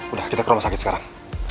udah kita ke rumah sakit sekarang